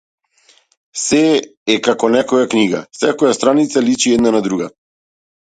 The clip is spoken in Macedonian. Сѐ е како некоја книга, секоја страница личи една на друга.